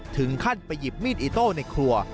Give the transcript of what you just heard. ถึงขั้นไปหยิบมีดอิโต้ในครัว